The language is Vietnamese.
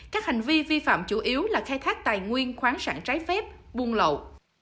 các hành vi vi phạm chủ yếu là khai thác tài nguyên khoáng sản trái phép buôn lậu